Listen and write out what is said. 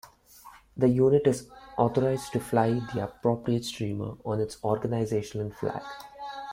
The unit is authorized to fly the appropriate streamer on its organizational flag.